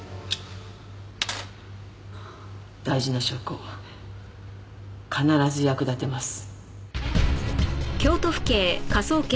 大事な証拠必ず役立てます。